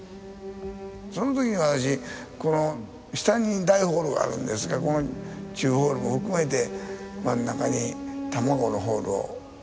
その時私この下に大ホールがあるんですけど中ホールを含めて真ん中に卵のホールをつくりたいと。